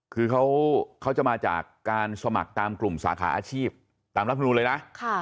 คือเขาจะมาจากการสมัครตามกลุ่มสาขาอาชีพตามรัฐมนูลเลยนะ